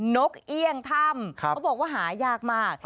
นกเอี่ยงถ้ำเขาบอกว่าหายากมาก